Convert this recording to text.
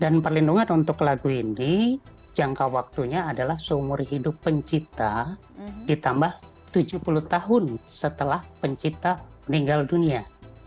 dan perlindungan untuk lagu ini jangka waktunya adalah seumur hidup pencipta ditambah tujuh puluh tahun setelah pencipta meninggal dunia